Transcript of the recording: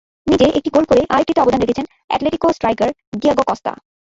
নিজে একটি গোল করে আরেকটিতে অবদান রেখেছেন অ্যাটলেটিকো স্ট্রাইকার ডিয়েগো কস্তা।